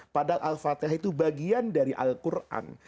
padahal al fatihah itu bagian dari al quran